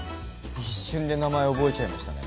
一瞬で名前覚えちゃいましたね。